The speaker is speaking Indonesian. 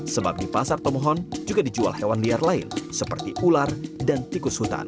sebab di pasar tomohon juga dijual hewan liar lain seperti ular dan tikus hutan